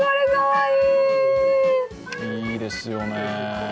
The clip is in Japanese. いいですよね。